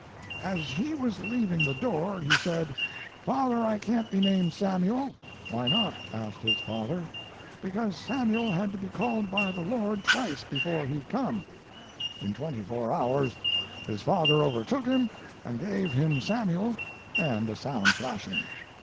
"As he was leaving the door, he said: 'Father, I can't be named Samuel.' 'Why not?' asked his father. 'Because Samuel had to be called by the Lord twice before he'd come.' In twenty four hours his father overtook him and gave him Samuel and a sound thrashing.